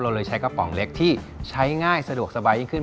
เลยใช้กระป๋องเล็กที่ใช้ง่ายสะดวกสบายยิ่งขึ้น